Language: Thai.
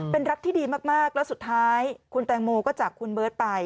เป็นรักที่ดีมากแล้วสุดท้ายคุณแตงโมก็จากคุณเบิร์ตไป